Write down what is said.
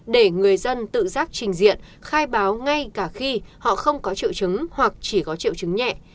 để người dân tự giác trình diện khai báo ngay cả khi họ không có triệu chứng hoặc chỉ có triệu chứng nhẹ